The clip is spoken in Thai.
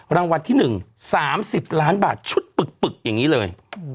รางวัลที่๑๓๐ล้านบาทชุดปึกอย่างนี้เลย